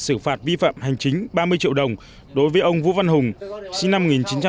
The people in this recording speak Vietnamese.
xử phạt vi phạm hành chính ba mươi triệu đồng đối với ông vũ văn hùng sinh năm một nghìn chín trăm tám mươi